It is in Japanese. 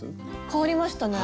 変わりましたね。